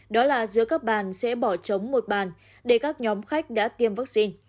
đó là giữa các bàn sẽ bỏ trống một bàn để các nhóm khách đã tiêm vaccine